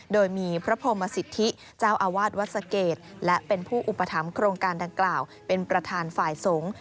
โดยมีพระพรหมสิทธิเจ้าอาวาสวัดสะเกดและเป็นผู้อุปถัมภโครงการดังกล่าวเป็นประธานฝ่ายสงฆ์